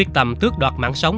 làm thước đoạt mạng sống